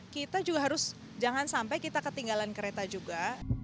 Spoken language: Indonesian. kita juga harus jangan sampai kita ketinggalan kereta juga